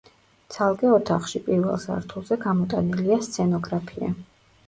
ცალკე ოთახში, პირველ სართულზე, გამოტანილია სცენოგრაფია.